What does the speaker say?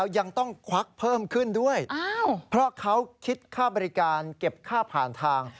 ไม่ต้องควักเขาให้วิ่งฟรี